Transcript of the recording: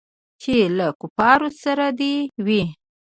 چې له کفارو سره دې وي.